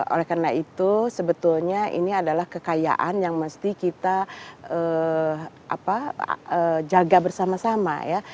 oleh karena itu sebetulnya ini adalah kekayaan yang mesti kita jaga bersama sama ya